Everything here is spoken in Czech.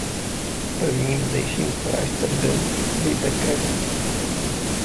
Prvním zdejším strážcem byl Cvi Becker.